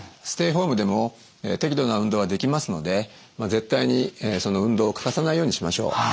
ステイホームでも適度な運動はできますので絶対に運動を欠かさないようにしましょう。